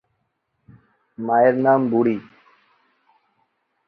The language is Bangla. মায়ের নাম বুড়ি।